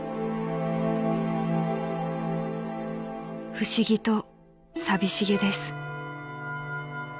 ［不思議と寂しげです］